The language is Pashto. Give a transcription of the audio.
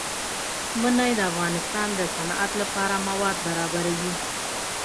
منی د افغانستان د صنعت لپاره مواد برابروي.